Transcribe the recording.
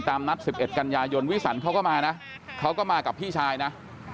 ตามนัด๑๑กันยายนวิสันเขาก็มานะเขาก็มากับพี่ชายนะ